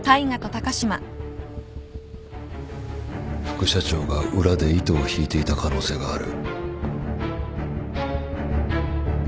副社長が裏で糸を引いていた可能性がある。